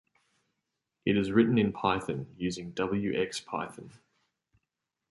It is written in Python using wxPython.